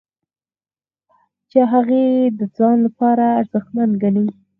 چې هغه یې د ځان لپاره ارزښتمن ګڼي.